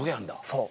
そう。